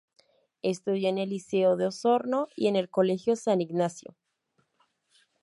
Estudió en el Liceo de Osorno y en el Colegio San Ignacio.